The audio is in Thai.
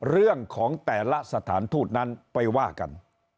เรื่องของแต่ละสถานทูตนั้นไปว่ากัน